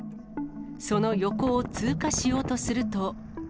その横を通過しようとすると。